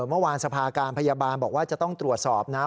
เมื่อวานสภาการพยาบาลบอกว่าจะต้องตรวจสอบนะ